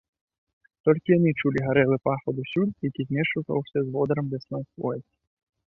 Толькі яны чулі гарэлы пах адусюль, які змешваўся з водарам лясной хвоі.